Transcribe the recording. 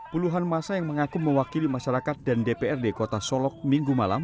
puluhan masa yang mengaku mewakili masyarakat dan dprd kota solok minggu malam